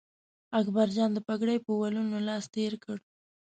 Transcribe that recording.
اکبرجان د پګړۍ په ولونو لاس تېر کړ.